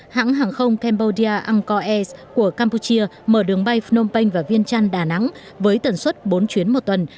hãng hàng không cambodia angkor es của campuchia mở đường bay phnom penh và vientiane đà nẵng với tần suất bốn chuyến một tuần